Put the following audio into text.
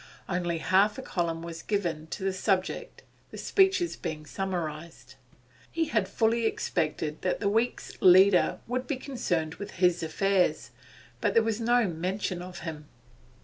Only half a column was given to the subject, the speeches being summarised. He had fully expected that the week's 'leader' would be concerned with his affairs, but there was no mention of him.